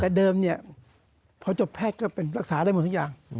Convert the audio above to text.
แต่เดิมเนี่ยพอจบแพทย์ก็เป็นรักษาได้หมดทุกอย่าง